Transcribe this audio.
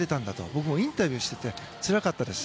僕もインタビューしていてつらかったです。